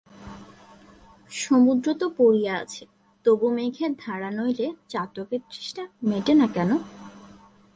সমুদ্র তো পড়িয়া আছে, তবু মেঘের ধারা নইলে চাতকের তৃষ্ণা মেটে না কেন।